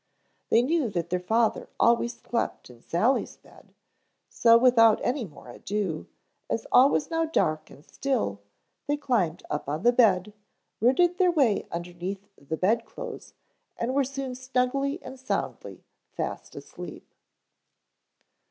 They knew that their father always slept in Sally's bed, so without any more ado, as all was now dark and still, they climbed up on the bed, rooted their way underneath the bedclothes and were soon snugly and soundly fast asleep.